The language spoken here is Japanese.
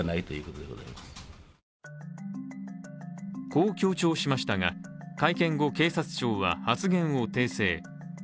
こう強調しましたが、会見後、警察庁は発言を訂正。